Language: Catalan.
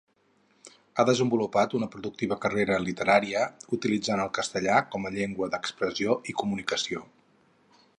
Ha desenvolupat una productiva carrera literària utilitzant el castellà com a llengua d'expressió i comunicació.